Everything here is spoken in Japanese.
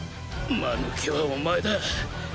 マヌケはお前だ。